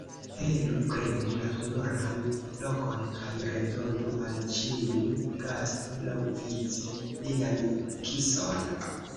Heleno, prenu la honoran lokon kaj redonu al ĉiu gasto, laŭvice, lian kison!